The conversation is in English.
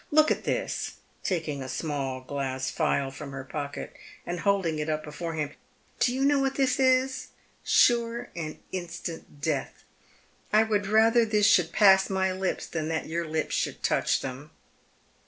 Look at this," taking a small glass phial from her pocket, and holding it up before him. " Do you know what tiiis is? Sure and instant death. I would rather this should pass my lips than that your lips should touch them."